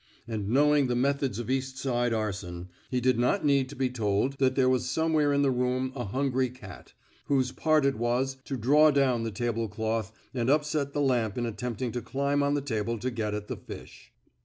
And, knowing the methods of East Side arson, he did not need to be told that there was somewhere in the room a hungry cat, whose part it was to draw down the table cloth and upset the lamp in attempting to climb on the table to get at the fish.